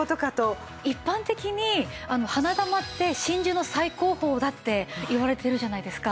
一般的に花珠って真珠の最高峰だって言われてるじゃないですか。